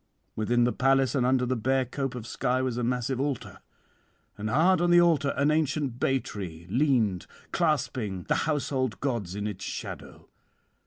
'Within the palace and under the bare cope of sky was a massive altar, and hard on the altar an ancient bay tree leaned clasping the household gods in its shadow.